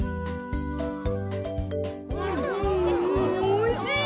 おいしい。